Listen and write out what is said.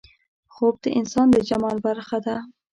خوب د انسان د جمال برخه ده